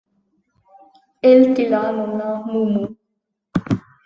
El til ha nomnà Mumu.